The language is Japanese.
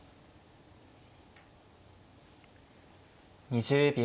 ２０秒。